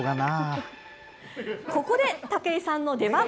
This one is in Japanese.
ここで武井さんの出番！